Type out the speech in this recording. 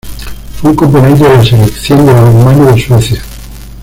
Fue un componente de la selección de balonmano de Suecia.